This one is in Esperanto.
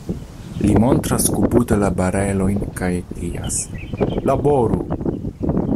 Li montras kubute la barelon kaj krias: Laboru!